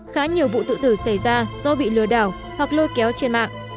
khá nhiều vụ tự tử xảy ra do bị lừa đảo hoặc lôi kéo trên mạng